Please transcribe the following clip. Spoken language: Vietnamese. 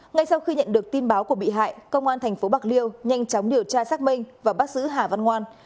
ngay sau khi nhận được tin báo của bị hại công an tp bạc liêu nhanh chóng điều tra xác minh và bác sứ hà văn ngoan